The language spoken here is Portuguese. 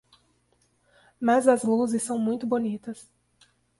Mas as luzes são muito bonitas.